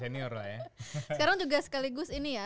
sekarang juga sekaligus ini ya